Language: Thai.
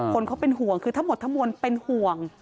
คนเขาเป็นห่วงคือทั้งหมดทั้งมวลเป็นห่วง